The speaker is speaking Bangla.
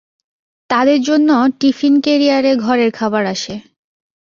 তাদের জন্যে টিফিন-ক্যারিয়ারে ঘরের খাবার আসে।